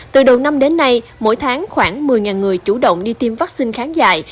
từ đầu năm đến nay mỗi tháng khoảng một mươi người chủ động đi tiêm vắc xin kháng dại